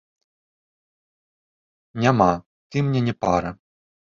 Няма, ты мне не пара.